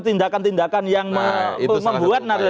tindakan tindakan yang membuat